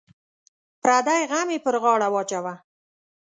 پردی غم یې پر غاړه واچوه.